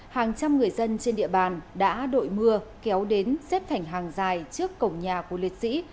hàng trăm người dân trên địa bàn đã đội mưa kéo đến xếp thành hàng dài trước cổng nhà của liệt sĩ